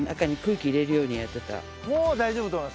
もう大丈夫だと思います。